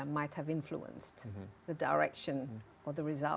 migrasi channel dan migrasi